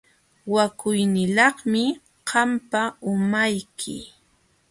Wakuynilaqmi qampa umayki.